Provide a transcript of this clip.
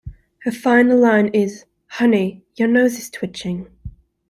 Her final line is "Honey, your nose is twitching".